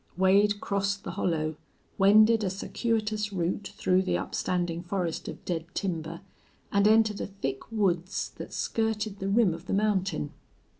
Wade crossed the hollow, wended a circuitous route through the upstanding forest of dead timber, and entered a thick woods that skirted the rim of the mountain.